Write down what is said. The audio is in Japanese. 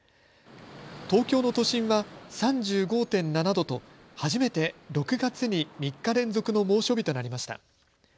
東京の都心は３５．７度と初めて６月に３日連続の猛暑日となりました。